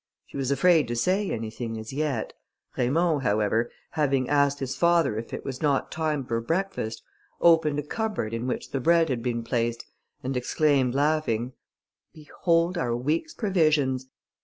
She was afraid to say anything as yet; Raymond, however, having asked his father if it was not time for breakfast, opened a cupboard in which the bread had been placed, and exclaimed, laughing, "Behold our week's provisions!"